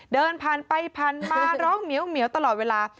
เดินพันไปพันมาร้องเหมียวเหมียวตลอดเวลา